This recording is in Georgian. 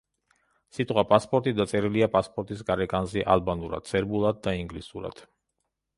სიტყვა „პასპორტი“ დაწერილია პასპორტის გარეკანზე ალბანურად, სერბულად და ინგლისურად.